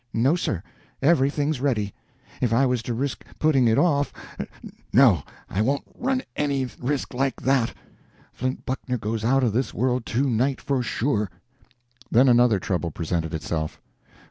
No, sir; everything's ready. If I was to risk putting it off.... No, I won't run any risk like that. Flint Buckner goes out of this world to night, for sure." Then another trouble presented itself.